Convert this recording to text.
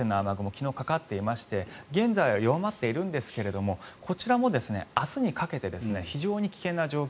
昨日、かかっていまして現在は弱まっているんですがこちらも明日にかけて非常に危険な状況。